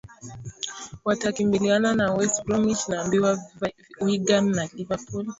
watakambiliana na westbromich naambiwa wigan na liverpool